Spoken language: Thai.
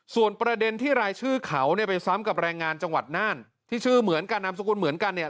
ส่วนประเด็นที่รายชื่อเขาเนี่ยไปซ้ำกับแรงงานจังหวัดน่านที่ชื่อเหมือนกันนามสกุลเหมือนกันเนี่ย